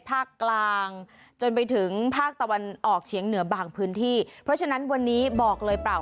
ภาคกลางจนไปถึงภาคตะวันออกเฉียงเหนือบางพื้นที่เพราะฉะนั้นวันนี้บอกเลยเปล่า